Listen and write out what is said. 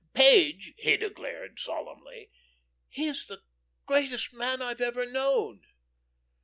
Page," he declared, solemnly, "he's the greatest man I've ever known."